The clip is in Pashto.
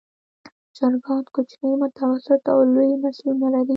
چرګان کوچني، متوسط او لوی نسلونه لري.